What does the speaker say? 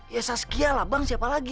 ya saskia lah bang siapa lagi